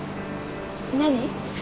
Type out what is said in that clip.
何？